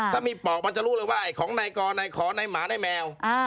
ถ้ามีปอกมันจะรู้เลยว่าของในกรในขอในหมาในแมว